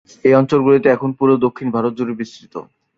এই অঞ্চলগুলিতে এখন পুরো দক্ষিণ ভারত জুড়ে বিস্তৃত।